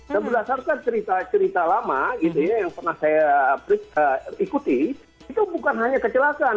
dan berdasarkan cerita cerita lama yang pernah saya ikuti itu bukan hanya kecelakaan